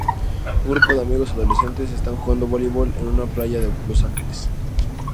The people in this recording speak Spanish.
Un grupo de amigos adolescentes están jugando voleibol en una playa de Los Ángeles.